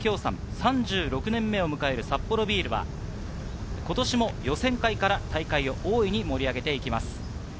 ３６年目を迎えるサッポロビールは今年も予選会から大会を大いに盛り上げていきます。